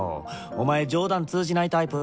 お前冗談通じないタイプ？